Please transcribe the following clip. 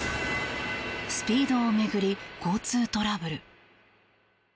スピードを巡り交通トラブル。